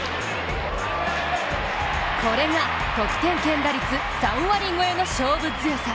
これが得点圏打率３割超えの勝負強さ！